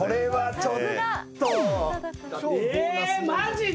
えマジで？